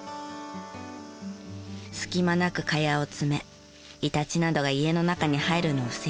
隙間なく茅を詰めイタチなどが家の中に入るのを防ぎます。